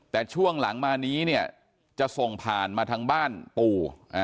แต่ช่วงหลังมานี้เนี่ยจะส่งผ่านมาทางบ้านปู่